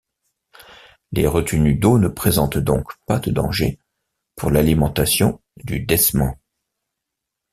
Les retenues d’eau ne présentent donc pas de danger pour l’alimentation du desman.